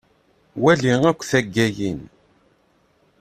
Wali akk taggayin.